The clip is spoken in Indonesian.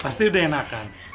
pasti udah enakan